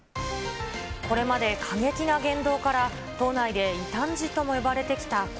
これまで過激な言動から、党内で異端児とも呼ばれてきた河